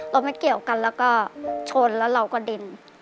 รถไม่เกี่ยวกันแล้วก็ชนแล้วเราก็ดิน